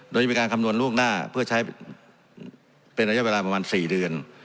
โดยจะมีการคำนวณล่วงหน้าเพื่อใช้เป็นระยะเวลาประมาณ๔เดือน